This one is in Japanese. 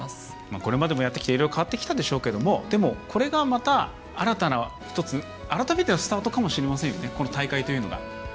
これまでもやってきていろいろ変わってきたでしょうがでも、これがまた新たな一つ改めてのスタートかもしれません、この大会というのが。